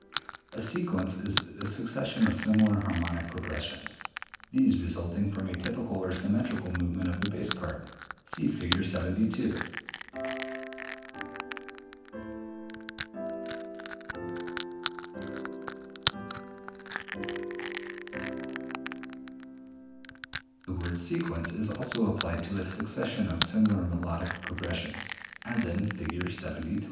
A sequence is a succession of similar harmonic progressions, these resulting from a typical or symmetrical movement of the bass part. See Fig. 72. [Illustration: Fig. 72.] The word sequence is also applied to a succession of similar melodic progressions, as in Fig. 73. [Illustration: Fig. 73.